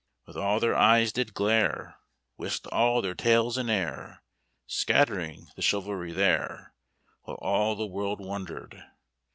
Wild all their eyes did glare, Whisked all their tails in air Scattering the chivalry there, While all the world wondered.